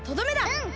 うん！